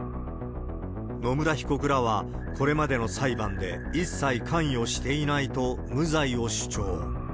野村被告らはこれまでの裁判で、一切関与していないと無罪を主張。